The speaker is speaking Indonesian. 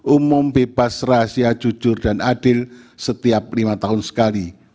umum bebas rahasia jujur dan adil setiap lima tahun sekali